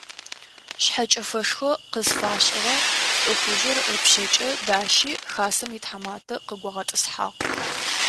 Шъхьэкӏэфэшхо къызфашӏыгъэ лӏыхъужъыр ыпшъэкӏэ дащи хасэм итхьэматэ къыгуагъэтӏысхьагъ.